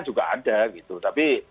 juga ada gitu tapi